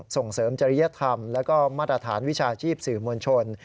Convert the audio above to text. ส่งเสริมจริยธรรมแล้วก็มาตรฐานวิชาชีพสื่อมวลชน